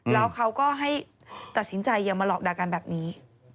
แล้วเขาก็ให้ตัดสินใจอย่ามาหลอกด่ากันแบบนี้